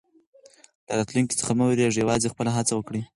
له راتلونکي څخه مه وېرېږئ او یوازې خپله هڅه وکړئ.